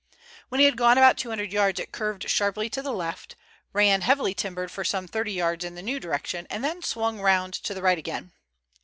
When he had gone about two hundred yards it curved sharply to the left, ran heavily timbered for some thirty yards in the new direction, and then swung round to the right again.